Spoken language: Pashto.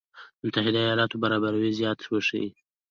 متحده ایالاتو برابري زياته وښيي.